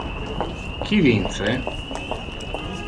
Qui vince?